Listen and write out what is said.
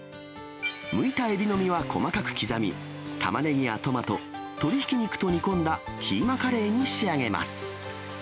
剥いたエビの身は細かく刻み、タマネギやトマト、鶏ひき肉と煮込んだキーマカレーに仕上げます。